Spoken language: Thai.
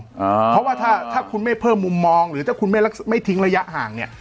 เพราะว่าถ้าถ้าคุณไม่เพิ่มมุมมองหรือถ้าคุณไม่ทิ้งระยะห่างเนี่ย